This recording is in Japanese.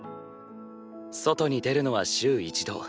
外に出るのは週一度。